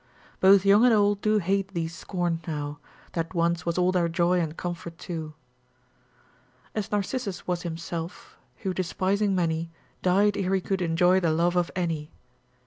Both young and old do hate thee scorned now, That once was all their joy and comfort too. As Narcissus was himself, ———Who despising many. Died ere he could enjoy the love of any.